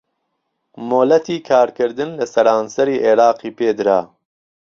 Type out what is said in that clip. مۆلەتی کارکردن لە سەرانسەری عێراقی پێدرا